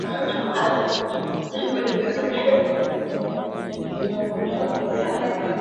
za sekondari ziko katika mkoa huu kwa sababu zifuatazo moja Hali ya hewa na